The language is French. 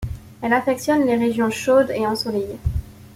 Elle affectionne les régions chaudes et ensoleillées.